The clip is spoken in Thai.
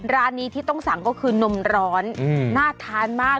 ร้านนี้ที่ต้องสั่งก็คือนมร้อนน่าทานมาก